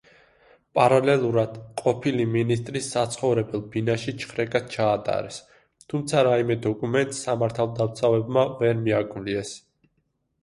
პარალელურად ყოფილი მინისტრის საცხოვრებელ ბინაში ჩხრეკა ჩაატარეს, თუმცა რაიმე დოკუმენტს სამართალდამცავებმა ვერ მიაკვლიეს.